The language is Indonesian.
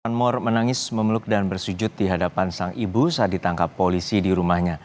anmor menangis memeluk dan bersujud di hadapan sang ibu saat ditangkap polisi di rumahnya